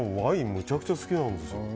めちゃくちゃ好きなんですよ。